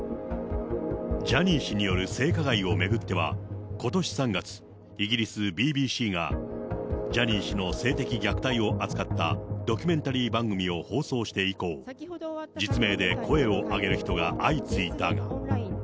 ジャニー氏による性加害を巡っては、ことし３月、イギリス、ＢＢＣがジャニー氏の性的虐待を扱ったドキュメンタリー番組を放送して以降、実名で声を上げる人が相次いだが。